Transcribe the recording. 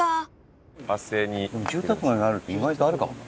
住宅街があると意外とあるかもね。